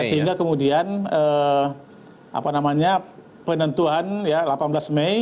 ya sehingga kemudian apa namanya penentuan ya delapan belas mei